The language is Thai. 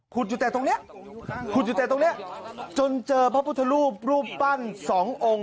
อยู่แต่ตรงนี้ขุดอยู่แต่ตรงนี้จนเจอพระพุทธรูปรูปปั้นสององค์